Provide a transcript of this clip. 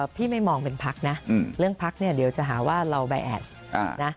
พี่ไม่มองเป็นพักนะเรื่องพักเนี่ยเดี๋ยวจะหาว่าเราใบแอสนะ